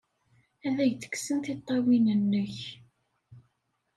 Ad ak-d-kksen tiṭṭawin-nnek!